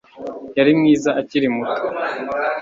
Yari mwiza akiri muto